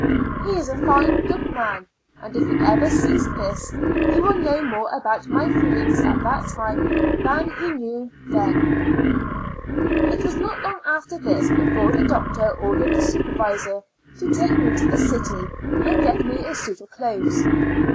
He is a fine and good man, and if he ever sees this, he will know more about mv feelino^s at that time than he then knew. It was not long after this before the doc lis Two Years axd Foue Moxths tor ordered the supervisor to take me to the city, and get me a suit of clothes.